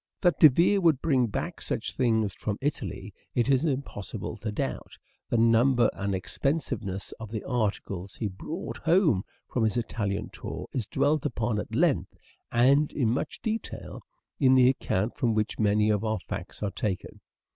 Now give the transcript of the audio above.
That De Vere would bring back such things from Italy it is impossible to doubt. The number and expensiveness of the articles he brought home from his Italian tour is dwelt upon at length, and in much detail, in the account from which many of our facts are taken.